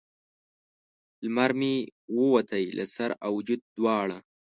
لمر مې ووتی له سر او وجود دواړه